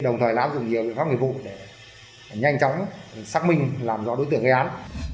nhiều biện pháp người vụ để nhanh chóng xác minh làm rõ đối tượng gây án